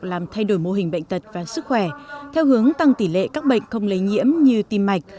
làm thay đổi mô hình bệnh tật và sức khỏe theo hướng tăng tỷ lệ các bệnh không lấy nhiễm như tim mạch